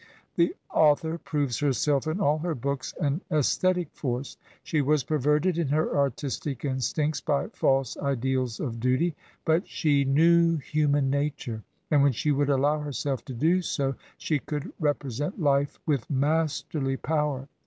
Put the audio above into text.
The author proves herself in all her books an aesthetic force; she was perverted in her artistic instincts by false ideals of duty; but she knew human nature, and when she would allow herself to do so she could represent life with masterly power.